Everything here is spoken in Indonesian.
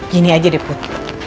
gini aja deh put